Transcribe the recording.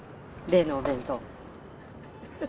例のお弁当。